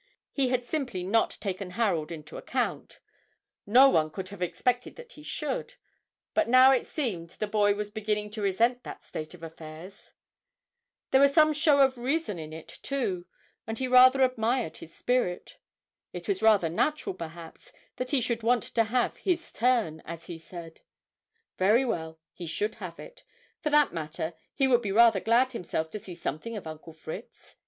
He had simply not taken Harold into account no one could have expected that he should; but now it seemed the boy was beginning to resent that state of affairs. There was some show of reason in it, too, and he rather admired his spirit. It was rather natural, perhaps, that he should want to have "his turn," as he said; very well, he should have it. For that matter, he would be rather glad himself to see something of Uncle Fritz.